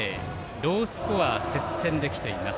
ロースコア、接戦できています。